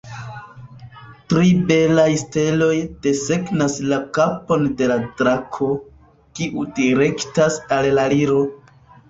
Tri belaj steloj desegnas la kapon de la drako, kiu direktas al la Liro.